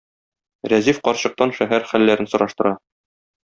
Рәзиф карчыктан шәһәр хәлләрен сораштыра.